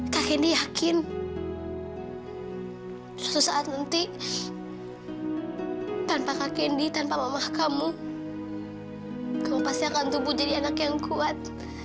kak hendi yakin suatu saat nanti tanpa kakendi tanpa mama kamu kamu pasti akan tumbuh jadi anak yang kuat